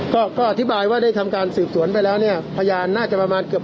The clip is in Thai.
ก็ก็อธิบายว่าได้ทำการสืบสวนไปแล้วเนี่ยพยานน่าจะประมาณเกือบ